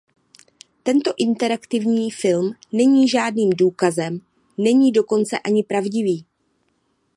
Tento interaktivní film není žádným důkazem, není dokonce ani pravdivý.